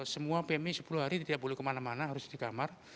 semua pmi sepuluh hari tidak boleh kemana mana harus di kamar